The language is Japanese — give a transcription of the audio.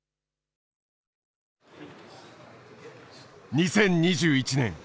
２０２１年。